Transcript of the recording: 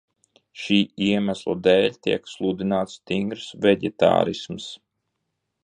Šī iemesla dēļ tiek sludināts stingrs veģetārisms.